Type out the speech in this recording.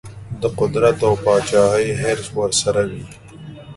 د قدرت او پاچهي حرص ورسره وي.